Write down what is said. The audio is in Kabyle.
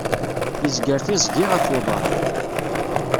Yezger tiẓgi ɣef uḍar.